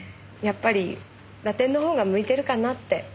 やっぱりラテンの方が向いてるかなって。